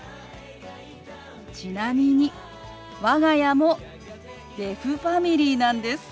ちなみに我が家もデフファミリーなんです。